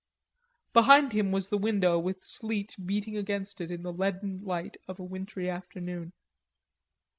Behind him was the window with sleet beating against it in the leaden light of a wintry afternoon.